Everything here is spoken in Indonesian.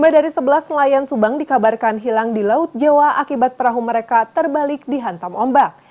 lima dari sebelas nelayan subang dikabarkan hilang di laut jawa akibat perahu mereka terbalik dihantam ombak